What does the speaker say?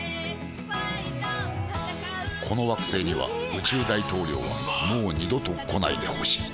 この惑星には宇宙大統領はもう二度と来ないでほしい虹！